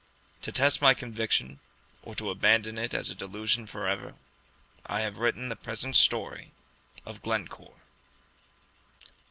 To test my conviction, or to abandon it as a delusion forever, I have written the present story of "Glencore."